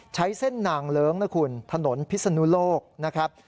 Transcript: ใช้เส้นนางเลิ้งนะคุณถนนพิศนุโลกนะครับ